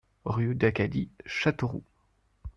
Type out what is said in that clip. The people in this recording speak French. Rue d'Acadie, Châteauroux